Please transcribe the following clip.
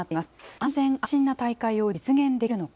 安全安心な大会を実現できるのか。